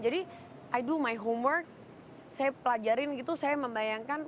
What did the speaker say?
jadi i do my homework saya pelajarin gitu saya membayangkan